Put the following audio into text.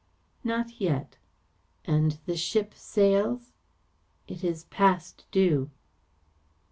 "Not yet." "And the ship sails?" "It is past due."